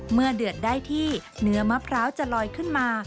เดือดได้ที่เนื้อมะพร้าวจะลอยขึ้นมา